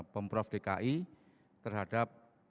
pemprov dki terhadap